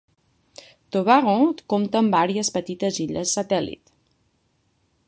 Tobago compta amb vàries petites illes satèl·lit.